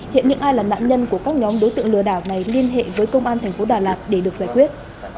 hiện những ai là nạn nhân của các nhóm đối tượng lừa đảo này liên hệ với công an thành phố đà lạt để được giải quyết